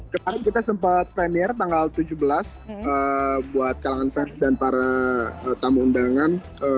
kemarin kita sempat premier tanggal tujuh belas buat kalangan fans dan para tamu undangan